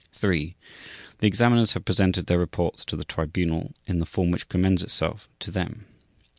3. The examiners have presented their reports to the Tribunal in the form which commends itself to them.